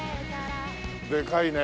でかいね。